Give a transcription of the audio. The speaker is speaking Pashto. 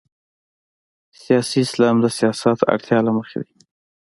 سیاسي اسلام د سیاست اړتیا له مخې ده.